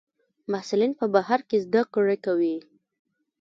محصلین په بهر کې زده کړې کوي.